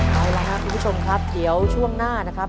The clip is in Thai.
ท้ายแล้วนะคุณผู้ชมครับเดี๋ยวช่วงหน้านะครับ